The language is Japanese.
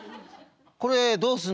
「これどうすんの？」